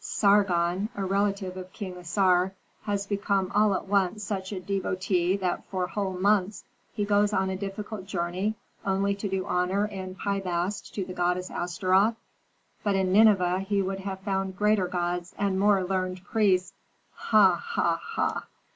Sargon, a relative of King Assar, has become all at once such a devotee that for whole months he goes on a difficult journey only to do honor in Pi Bast to the goddess Astaroth. But in Nineveh he could have found greater gods and more learned priests. Ha! ha! ha!"